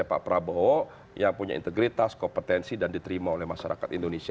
pak prabowo yang punya integritas kompetensi dan diterima oleh masyarakat indonesia